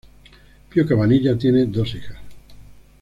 Pío Cabanillas tiene dos hijas.